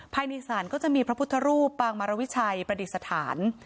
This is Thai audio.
ภายในศาลก็จะมีพระพุทธรูปปางมารวิชัยประดิษฐาน